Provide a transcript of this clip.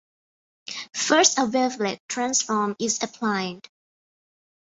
First a wavelet transform is applied.